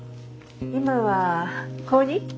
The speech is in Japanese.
今は高２。